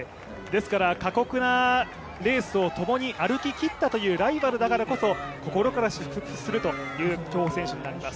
過酷なレースをともに歩ききったというライバルだからこそ心から祝福するという競歩選手となります。